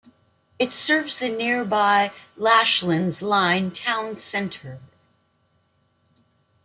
It serves the nearby Lachlan's Line town centre.